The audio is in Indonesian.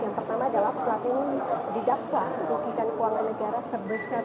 yang pertama adalah platih ini didakwa untuk bidang keuangan negara sebesar rp delapan belas